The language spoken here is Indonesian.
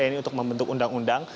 ini untuk membentuk undang undang